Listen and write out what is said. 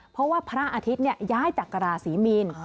เพราะว่าพระอาทิตย์ย้ายจากราศีมีน